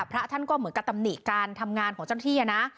พระท่านก็เหมือนกับตำหนิการทำงานของเจ้าหน้าที่นะ